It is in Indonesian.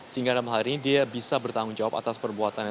sehingga dalam hal ini dia bisa bertanggung jawab atas perbuatannya